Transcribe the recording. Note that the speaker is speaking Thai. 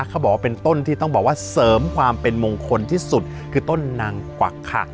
เขาบอกว่าเป็นต้นที่ต้องบอกว่าเสริมความเป็นมงคลที่สุดคือต้นนางกวักค่ะ